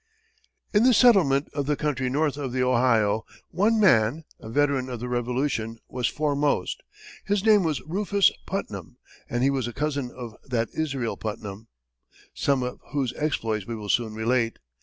In the settlement of the country north of the Ohio, one man, a veteran of the Revolution, was foremost. His name was Rufus Putnam, and he was a cousin of that Israel Putnam, some of whose exploits we will soon relate.